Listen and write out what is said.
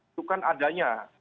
itu kan adanya